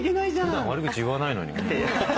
普段悪口言わないのに。